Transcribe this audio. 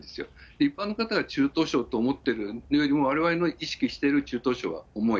一般の方が中等症と思ってるよりも、われわれの意識している中等症は重い。